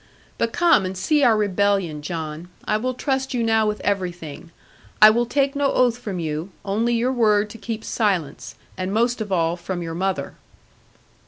But come, and see our rebellion, John. I will trust you now with everything. I will take no oath from you; only your word to keep silence; and most of all from your mother.'